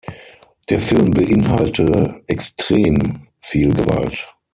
Der Film beinhalte „extrem“ viel Gewalt.